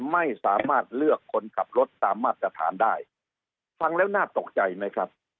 ไม่สามารถเลือกคนขับรถตามมาตรฐานได้ฟังแล้วน่าตกใจไหมครับ